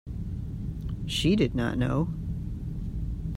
She did not know.